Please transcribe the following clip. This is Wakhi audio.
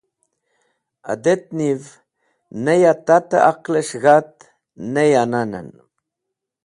Adet niv ne ya tat-e aqles̃h g̃hat, ne ya nanen.